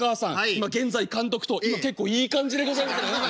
今現在監督と結構いい感じでございますから」。